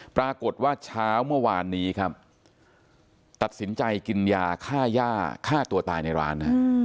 ปรากฏว่าเช้าเมื่อวานนี้ครับตัดสินใจกินยาฆ่าย่าฆ่าตัวตายในร้าน